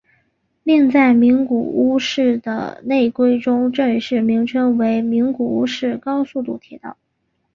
另在名古屋市的内规中正式名称为名古屋市高速度铁道。